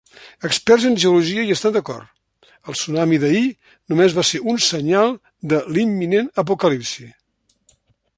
Experts en geologia hi estan d'acord: el tsunami d'ahir només va ser un senyal de l'imminent apocalipsi.